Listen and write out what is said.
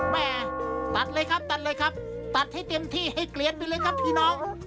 แม่ตัดเลยครับตัดเลยครับตัดให้เต็มที่ให้เกลียนไปเลยครับพี่น้อง